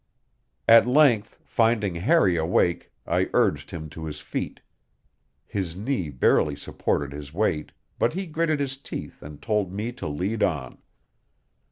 At length, finding Harry awake, I urged him to his feet. His knee barely supported his weight, but he gritted his teeth and told me to lead on.